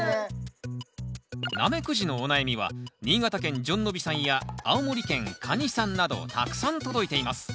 ナメクジのお悩みは新潟県じょんのびさんや青森県かにさんなどたくさん届いています。